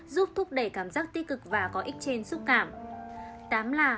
giúp thúc đẩy cảm giác tích cực và có ích trên xúc cảm